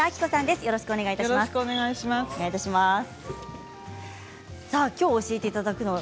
よろしくお願いします。